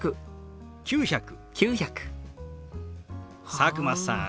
佐久間さん